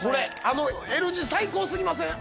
あのＬ字最高すぎません？